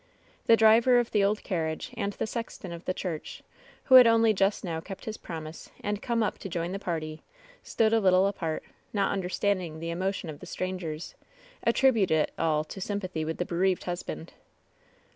The driver of the old carriage and the sexton of the church, who had only just now kept his promise and come up to join the party, stood a little apart, not under standing the emotion of the strangers, attributed it all to sympathy with the bereaved husband.